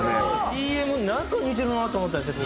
ＴＭなんか似てるなと思ったんですけど。